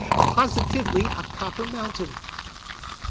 Positively a copper mountain!"